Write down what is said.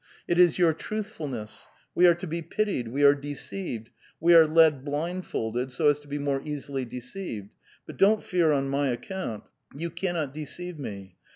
It is your trathful ness ; we are to be pitied, we are deceived, we are lead blindfolded, so as to be more easily deceived. But don't fear on my account ; you cannot deceive me.